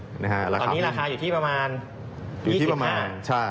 ตอนนี้ราคาอยู่ที่ประมาณ๒๕บาท